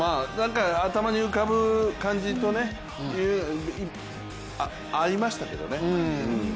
頭に浮かぶ感じと合いましたけどね。